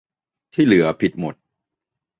ที่เหลือผิดหมด